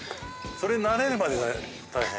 それに慣れるまで大変。